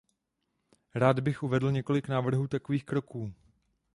Rád bych uvedl několik návrhů takových kroků.